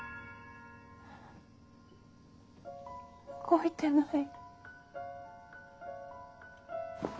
動いてない。